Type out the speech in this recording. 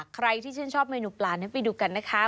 ใครที่ชื่นชอบเมนูปลานั้นไปดูกันนะคะ